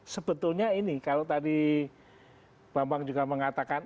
sebetulnya ini kalau tadi bambang juga mengatakan